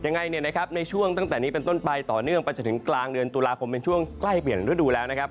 ยังไงเนี่ยนะครับในช่วงตั้งแต่นี้เป็นต้นไปต่อเนื่องไปจนถึงกลางเดือนตุลาคมเป็นช่วงใกล้เปลี่ยนฤดูแล้วนะครับ